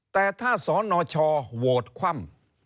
แต่ถ้าสนชโหวตคว่ำ